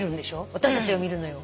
私たちが見るのよ。